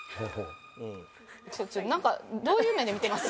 なんかどういう目で見てます？